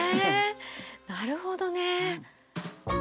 なるほどね。